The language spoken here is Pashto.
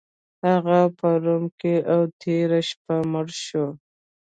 هغه په روم کې و او تیره میاشت مړ شو